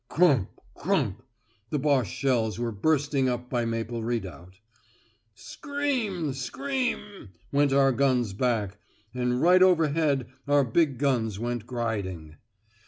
'Crump, crump,' the Boche shells were bursting up by Maple Redoubt. 'Scream, scream,' went our guns back; and right overhead our big guns went griding.